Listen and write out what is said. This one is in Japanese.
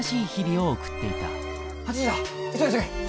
８時だ急げ急げ。